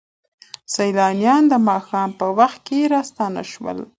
سیلانیان د ماښام په وخت کې راستانه شول.